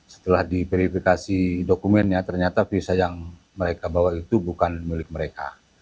setelah diverifikasi dokumennya ternyata visa yang mereka bawa itu bukan milik mereka